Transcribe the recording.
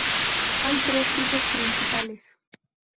Hay tres picos principales.